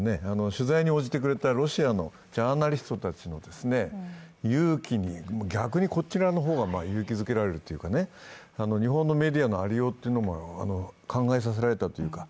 取材に応じてくれたロシアのジャーナリストたちの勇気に勇気づけられるというか日本のメディアのありようも考えさせられたというか。